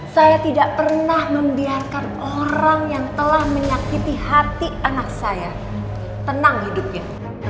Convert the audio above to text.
saya tidak pernah membiarkan orang yang telah menyakiti hati anak saya tenang hidupnya